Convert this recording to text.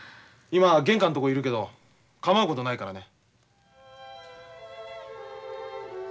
今玄関とこにいるけど構うことないからね。